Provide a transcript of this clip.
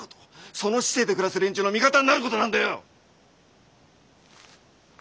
その市井で暮らす連中の味方になることなんだよ！